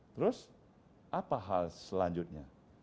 terus apa hal selanjutnya